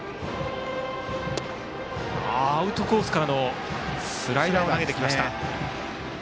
アウトコースからのスライダーを投げてきました。